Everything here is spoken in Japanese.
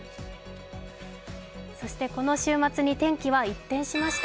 この週末に天気は一変しました。